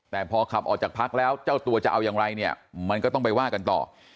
แต่พอขับออกจากพักแล้วเจ้าตัวจะเอาอย่างไรเนี่ยมันก็ต้องไปว่ากันต่อ